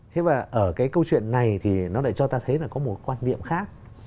thế và ở cái câu chuyện này thì nó lại cho ta thấy là có một quan niệm khác